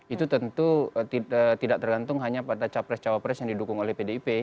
itu tentu tidak tergantung hanya pada capres cawapres yang didukung oleh pdip